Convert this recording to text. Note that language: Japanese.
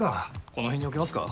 この辺に置きますか。